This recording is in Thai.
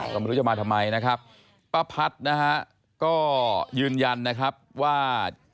ก็ไม่รู้จะมาทำไมนะครับป้าพัฒน์นะฮะก็ยืนยันนะครับว่า